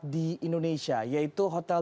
di indonesia yaitu hotel